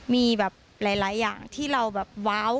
มีแบบหลายอย่างที่เราแบบว้าว